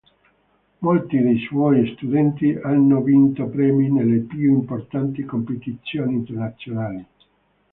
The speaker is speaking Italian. Molti dei suoi studenti hanno vinto premi nelle più importanti competizioni internazionali.